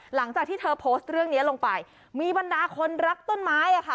หลังจากที่เธอโพสต์เรื่องนี้ลงไปมีบรรดาคนรักต้นไม้อ่ะค่ะ